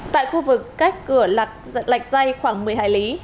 tại khu vực cách cửa lạch dây khoảng một mươi hải lý